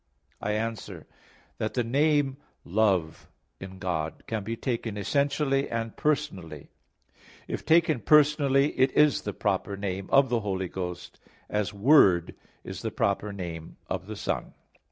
I answer that, The name Love in God can be taken essentially and personally. If taken personally it is the proper name of the Holy Ghost; as Word is the proper name of the Son.